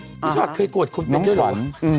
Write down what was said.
พี่ชอตเคยกวดคนเป็นได้หรือวะ